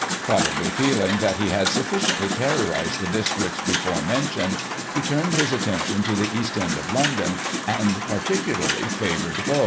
Probably feeling that he had sufficiently terrorised the districts before mentioned, he turned his attention to the East end of London, and particularly favoured Bow.